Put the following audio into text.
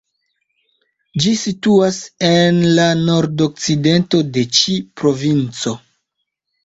Ĝi situas en la nordokcidento de ĉi provinco.